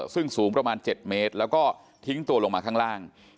ซึ่งสูงประมาณ๗เมตรแล้วก็ทิ้งตัวลงมาข้างล่าง